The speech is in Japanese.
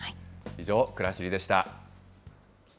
以上、くらしりでした。